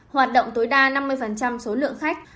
hoạt động tối đa năm mươi số lượng khách